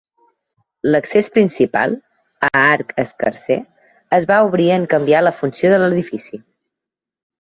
L'accés principal, a arc escarser, es va obrir en canviar la funció de l'edifici.